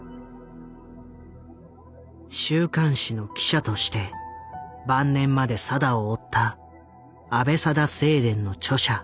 週刊誌の記者として晩年まで定を追った「阿部定正伝」の著者